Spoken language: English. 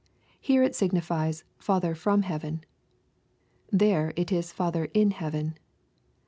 Here it signifies " Futlicr from heaven." There it is " Father in heaven."